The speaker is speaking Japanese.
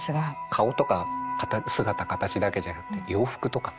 顔とか姿形だけじゃなくて洋服とかも。